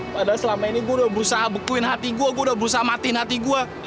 padahal selama ini gue udah berusaha bekuin hati gue gue udah berusaha mati gue